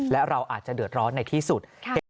และเราอาจจะเดือดร้อนในที่สุด